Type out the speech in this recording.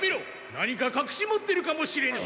何かかくし持ってるかもしれぬ。